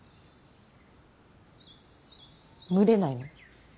蒸れないの？